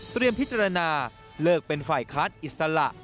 พิจารณาเลิกเป็นฝ่ายค้านอิสระ